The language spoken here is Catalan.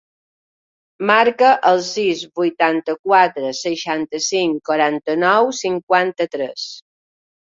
Marca el sis, vuitanta-quatre, seixanta-cinc, quaranta-nou, cinquanta-tres.